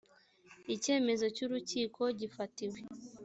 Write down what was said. icyemezo cy urukiko gifatiwe